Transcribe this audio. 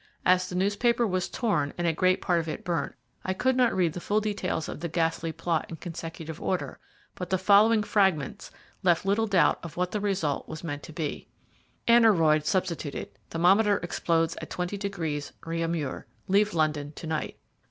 As the newspaper was torn and a great part of it burnt, I could not read the full details of the ghastly plot in consecutive order, but the following fragments left little doubt of what the result was meant to be: "Aneroid substituted...thermometer explodes at twenty degrees Réaumur...leave London to night."